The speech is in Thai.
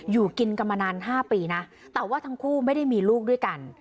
อยู่กินกันมานาน๕ปีนะแต่ว่าทั้งคู่ไม่ได้มีลูกด้วยกัน